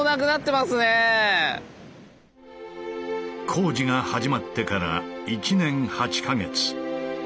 工事が始まってから１年８か月。